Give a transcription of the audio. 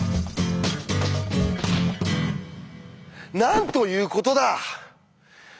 なんということだ！